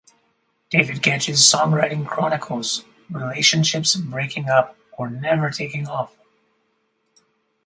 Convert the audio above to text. David Gedge's songwriting chronicles relationships breaking up or never taking off.